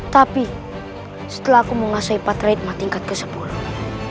tapi setelah aku mengasahi patrihikma tingkat ke sepuluh